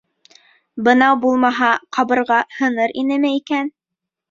-Бынау булмаһа, ҡабырға һыныр инеме икән?